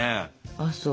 あっそう。